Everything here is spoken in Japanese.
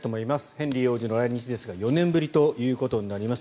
ヘンリー王子の来日ですが４年ぶりということになります。